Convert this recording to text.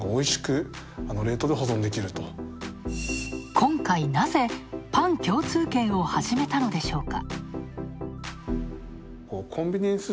今回、なぜパン共通券を始めたのでしょうか。